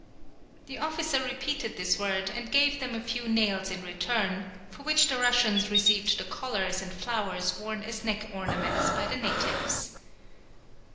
The officer repeated this word and gave them a few nails in return, for which the Russians received the collars and flowers worn as neck ornaments by the natives.